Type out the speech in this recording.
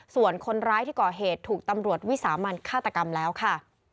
ส่วนคนร้ายที่ก่อเหตุถูกตำรวจวิสามันฆาตกรรมแล้วค่ะ